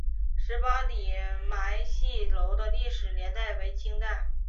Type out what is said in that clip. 十八里汰戏楼的历史年代为清代。